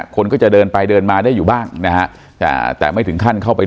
คนก็จะเดินไปเดินมาได้อยู่บ้าง